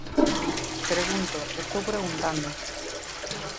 Pregunto, estou preguntando.